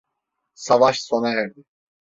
Savaş sona erdi.